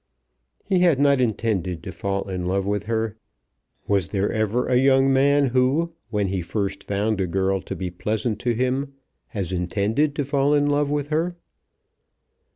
He had not intended to fall in love with her. Was there ever a young man who, when he first found a girl to be pleasant to him, has intended to fall in love with her?